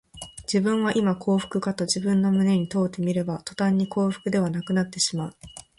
自分はいま幸福かと自分の胸に問うてみれば、とたんに幸福ではなくなってしまう